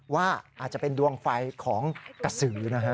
ว่าอาจจะเป็นดวงไฟของกระสือนะฮะ